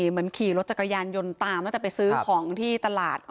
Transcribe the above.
เหมือนขี่รถจักรยานยนต์ตามตั้งแต่ไปซื้อของที่ตลาด